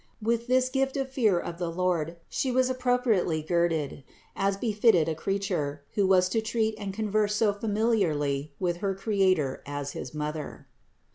With this gift of fear of the Lord She was appropriately girded, as befitted a Creature, who was to treat and con verse so familiarly with her Creator as his Mother.